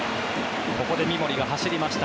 ここで三森が走りました。